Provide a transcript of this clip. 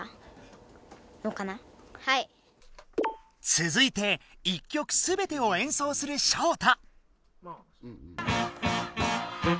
つづいて１曲すべてを演奏するショウタ。